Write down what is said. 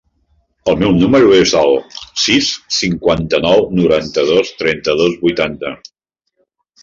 El meu número es el sis, cinquanta-nou, noranta-dos, trenta-dos, vuitanta.